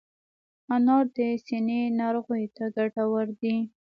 انار د سینې ناروغیو ته ګټور دی.